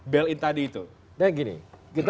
bail in tadi itu gini kita